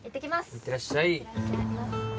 いってらっしゃい